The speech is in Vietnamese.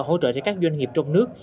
hỗ trợ cho các doanh nghiệp trong nước